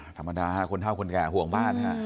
ธรรมดาคนเท่าคนแก่ห่วงบ้านฮะ